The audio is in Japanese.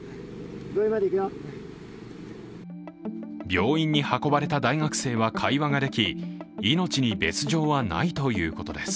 病院に運ばれた男性は会話ができ命に別状ははないということです。